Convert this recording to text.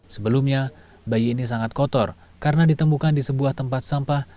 sebelumnya bayi ini sangat kotor karena ditemukan di sebuah tempat sampah